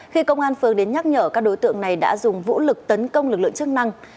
khi công an phường đến nhắc nhở các đối tượng này đã dùng vũ lực tấn công lực lượng chức năng